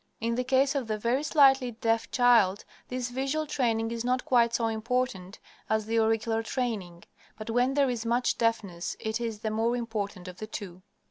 In the case of the very slightly deaf child, this visual training is not quite so important as the auricular training, but when there is much deafness it is the more important of the two.